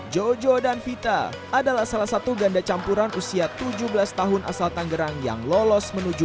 jojo dan vita adalah salah satu ganda campuran usia tujuh belas tahun asal tanggerang yang lolos menuju